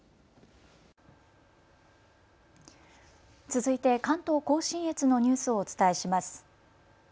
続いて関東甲信越のニュースをお伝えします。